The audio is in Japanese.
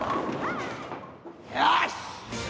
よし！